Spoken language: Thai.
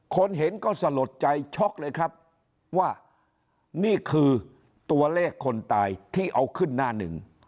คนเห็นก็สลดใจช็อกเลยครับว่านี่คือตัวเลขคนตายที่เอาขึ้นหน้าหนึ่ง